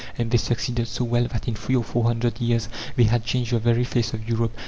And they succeeded so well that in three or four hundred years they had changed the very face of Europe.